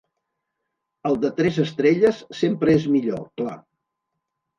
El de tres estrelles sempre és millor, clar.